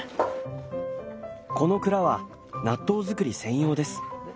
この蔵は納豆造り専用です。